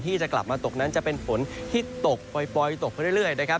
ตกนั้นจะเป็นฝนที่ตกปล่อยตกเรื่อยนะครับ